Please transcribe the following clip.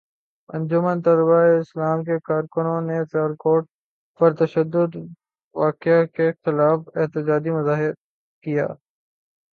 انجمن طلباء اسلام کے کارکنوں نے سیالکوٹ کے پرتشدد واقعے کے خلاف احتجاجی مظاہرہ کیا